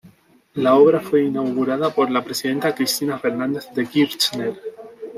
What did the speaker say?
La obra fue inaugurada por la presidenta Cristina Fernández de Kirchner.